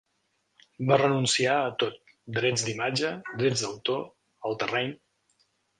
Va renunciar a tot: drets d'imatge, drets d'autor, el terreny.